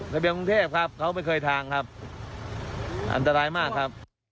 เบียงกรุงเทพครับเขาไม่เคยทางครับอันตรายมากครับ